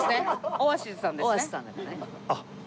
オアシズさんだからね。